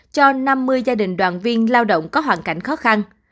cho năm mươi gia đình đoàn viên lao động có hoàn cảnh khó khăn